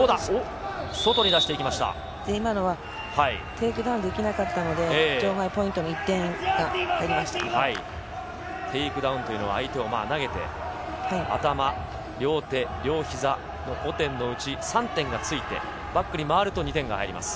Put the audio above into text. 今のはテイクダウンできなかったので、場外ポイントの１点が入りテイクダウンというのは相手を投げて、頭、両手、両膝、５点のうち３点がついてバックに回ると２点が入ります。